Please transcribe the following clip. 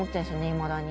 いまだに。